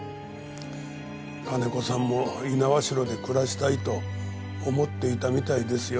金子さんも猪苗代で暮らしたいと思っていたみたいですよ。